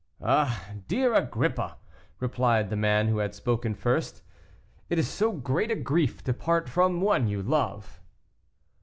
"Ah, dear Agrippa," replied the man who had spoken first, "it is so great a grief to part from one you love."